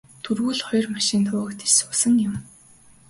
Дөрвүүл хоёр машинд хуваагдаж суусан юм.